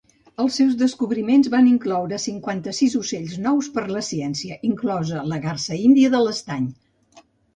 Els seus descobriments van incloure cinquanta-sis ocells nous per a la ciència, inclosa la garsa índia de l'estany.